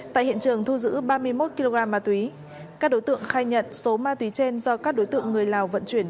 tại hiện trường thu giữ ba mươi một kg ma túy các đối tượng khai nhận số ma túy trên do các đối tượng người lào vận chuyển